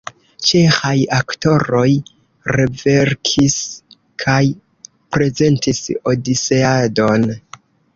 Ĉeĥaj aktoroj reverkis kaj prezentis Odiseadon.